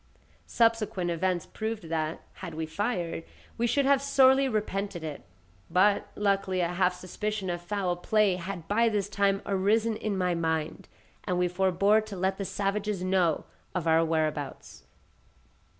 Subsequent events proved that, had we fired, we should have sorely repented it, but luckily a half suspicion of foul play had by this time arisen in my mind, and we forbore to let the savages know of our whereabouts.